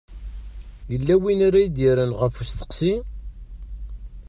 Yella win ara d-yerren ɣef usteqsi?